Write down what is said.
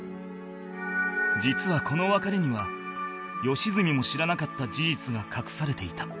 実はこの別れには良純も知らなかった事実が隠されていた